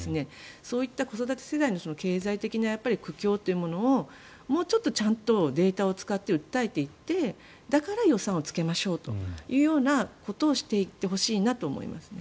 そういった子育て世代の経済的な苦境をもうちょっとちゃんとデータを使って訴えていってだから予算をつけましょうということをしていってほしいなと思いますね。